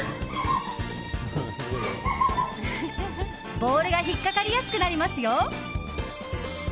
ボールが引っかかりやすくなりますよ。